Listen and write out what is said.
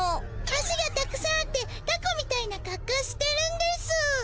足がたくさんあってタコみたいなかっこうしてるんですぅ。